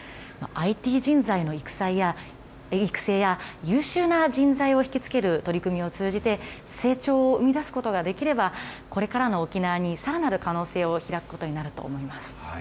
ＩＴ人材の育成や、優秀な人材を引き付ける取り組みを通じて、成長を生み出すことができれば、これからの沖縄にさらなる可能性を開くことになると思います。